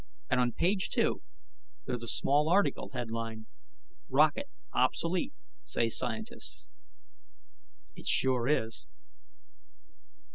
And, on page two, there's a small article headlined: ROCKET OBSOLETE, SAY SCIENTISTS. It sure is.